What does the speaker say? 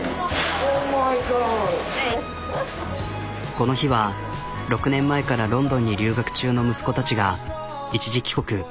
この日は６年前からロンドンに留学中の息子たちが一時帰国。